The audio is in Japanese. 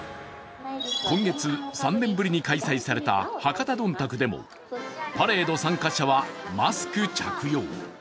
今月、３年ぶりに開催された博多どんたくでもパレード参加者はマスク着用。